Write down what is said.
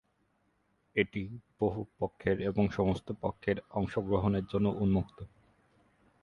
এটি বহু পক্ষের এবং সমস্ত পক্ষের অংশগ্রহণের জন্য উন্মুক্ত।